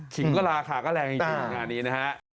ขิงก็ราคาก็แรงจริงงานนี้นะฮะ